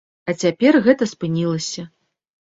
А цяпер гэта спынілася.